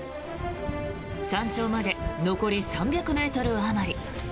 山頂まで残り３００ｍあまり。